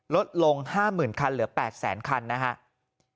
ลดลง๕๐๐๐คันเหลือ๘แสนคันนะครับ